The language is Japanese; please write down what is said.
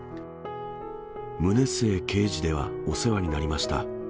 棟居刑事ではお世話になりました。